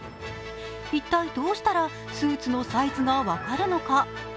一体どうしたらスーツのサイズが分かるのか、「ＴＨＥＴＩＭＥ，」